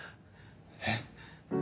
えっ？